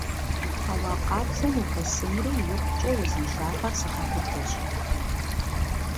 Хьэуа къабзэм ухэсынри икъукӀэ узыншагъэр зыгъэбыдэщ.